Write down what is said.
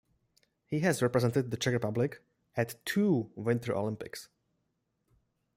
He has represented the Czech Republic at two Winter Olympics.